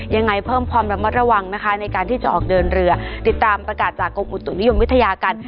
ยังไงเพิ่มความระมัดระวังนะคะในการที่จะออกเดินเรือติดตามประกาศจากกรมอุตุนิยมวิทยากัน